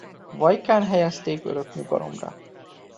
Vajkán helyezték örök nyugalomra.